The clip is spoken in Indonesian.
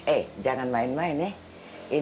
eh jangan main main nih